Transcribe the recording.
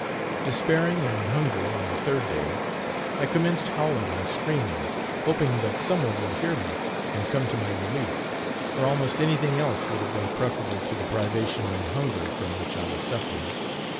Despairing and hungry, on the third day, I commenced howling and screaming, hoping that some one would hear me, and come to my relief, for almost anything else would have been preferable to the privation and hunger from which I was suffering.